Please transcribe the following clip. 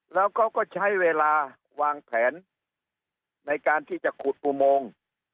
แล้วเขาก็ใช้เวลาวางแผนในการที่จะขุดอุโมง